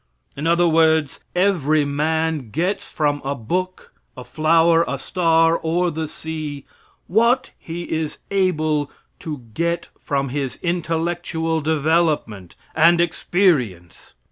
In other words, every man gets from a book, a flower, a star, or the sea, what he is able to get from his intellectual development and experience.